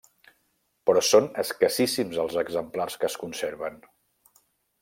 Però són escassíssims els exemplars que es conserven.